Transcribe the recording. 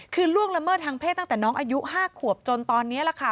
คือล่วงละเมิดทางเพศตั้งแต่น้องอายุ๕ขวบจนตอนนี้แหละค่ะ